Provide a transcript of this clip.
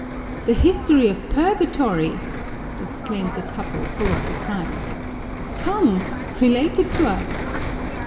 "The history of purgatory!" exclaimed the couple, full of surprise. "Come, relate it to us."